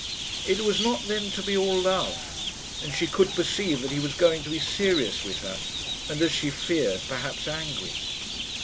It was not, then, to be all love; and she could perceive that he was going to be serious with her, and, as she feared, perhaps angry.